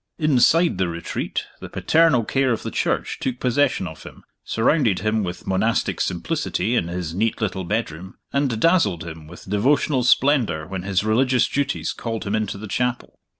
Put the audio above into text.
Inside The Retreat, the paternal care of the Church took possession of him; surrounded him with monastic simplicity in his neat little bedroom; and dazzled him with devotional splendor when his religious duties called him into the chapel.